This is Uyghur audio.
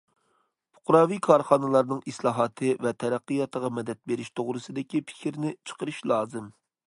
پۇقراۋى كارخانىلارنىڭ ئىسلاھاتى ۋە تەرەققىياتىغا مەدەت بېرىش توغرىسىدىكى پىكىرنى چىقىرىش لازىم.